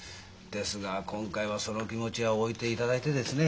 ですが今回はその気持ちは置いていただいてですね